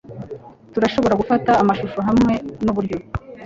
Turashobora gufata amashusho hamwe nuburyo